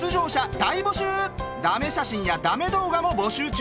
だめ写真やだめ動画も募集中。